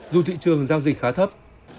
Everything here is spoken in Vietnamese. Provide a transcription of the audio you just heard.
dù thị trường giao dịch khá thấp